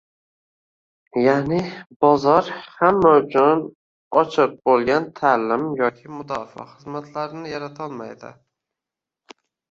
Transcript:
Ya'ni, bozor hamma uchun ochiq bo'lgan ta'lim yoki mudofaa xizmatlarini yaratolmaydi